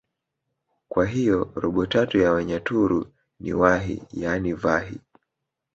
kwa hiyo robo tatu ya wanyaturu ni wahi yaani vahi